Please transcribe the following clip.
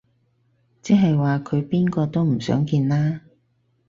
即係話佢邊個都唔想見啦